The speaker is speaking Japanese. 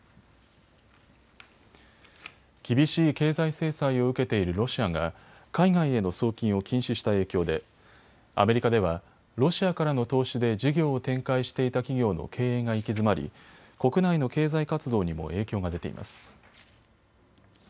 厳しい経済制裁を受けているロシアが海外への送金を禁止した影響でアメリカではロシアからの投資で事業を展開していた企業の経営が行き詰まり国内の経済活動にも影響が出ています。